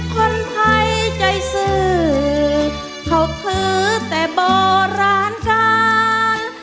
คนไทยใจซื้อเขาถือแต่โบราณการ